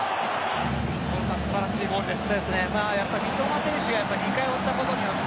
素晴らしいゴールでした。